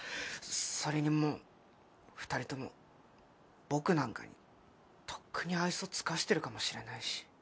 それにもう２人とも僕なんかにとっくに愛想つかしてるかもしれないし。